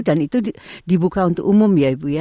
dan itu dibuka untuk umum ya ibu ya